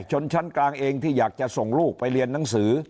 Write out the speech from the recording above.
ชนชั้นกลางเองที่อยากจะส่งลูกไปเรียนหนังสือ